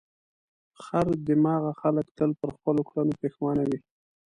خر دماغه خلک تل پر خپلو کړنو پښېمانه وي.